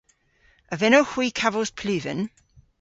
A vynnowgh hwi kavos pluven?